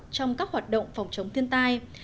trong các hoạt động phòng chống thiên tai